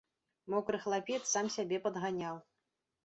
Мокры хлапец сам сябе падганяў.